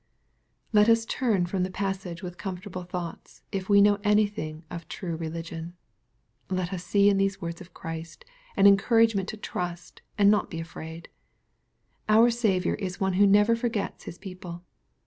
Lotus turn from the passage with comfortable thoughts, if we know anything of true religion. Let us see in these words of Christ, an encouragement to trust and not be afraid. Our Saviour is one who never forgets His people.